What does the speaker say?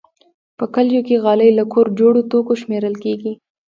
په کلیو کې غالۍ له کور جوړو توکو شمېرل کېږي.